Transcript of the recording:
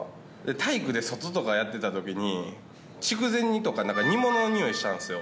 体育で外とかやってたときに、筑前煮とか、煮物の匂いしたんですよ。